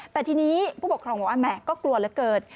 แต่ทีนี้ผู้ปกครองบอกว่าแหมก็กลัวเหลือเกิน